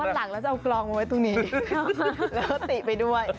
หลังแล้วจะเอากลองมาไว้ตรงนี้แล้วก็ติไปด้วย